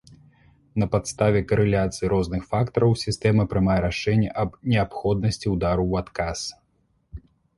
На падставе карэляцыі розных фактараў сістэма прымае рашэнне аб неабходнасці ўдару ў адказ.